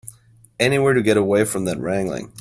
Anywhere to get away from that wrangling.